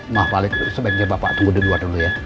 maaf pak sebaiknya bapak tunggu di luar dulu ya